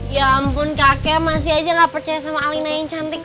ya ampun kakek masih aja gak percaya sama alina yang cantik